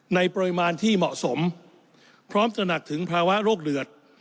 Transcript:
ในปริมาณที่เหมาะสมพร้อมตระหนักถึงภาวะโรคเดือด